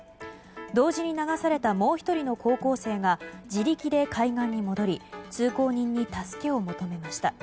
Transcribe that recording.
同時に流されたもう１人の高校生が自力で海岸に戻り通行人に助けを求めました。